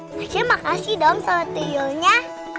akhirnya makasih dong sama tuyulnya